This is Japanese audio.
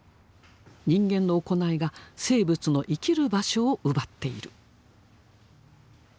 人間の行いが生物の生きる場所を奪っている。